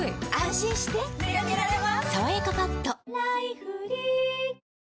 心してでかけられます